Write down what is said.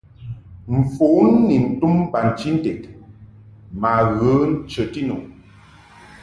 Mfon ni ntum bachinted ma ghə nchəti nu.